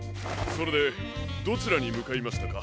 それでどちらにむかいましたか？